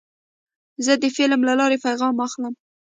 زه د فلم له لارې پیغام اخلم.